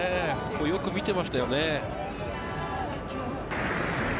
よく見ていましたね。